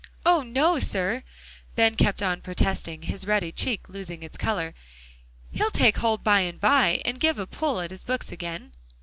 "Oh! no, sir," Ben kept on protesting, his ruddy cheek losing its color. "He'll take hold by and by and give a pull at his books again."